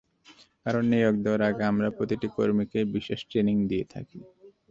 কারণ, নিয়োগ দেওয়ার আগে আমরা প্রতিটি কর্মীকেই বিশেষ ট্রেনিং দিয়ে থাকি।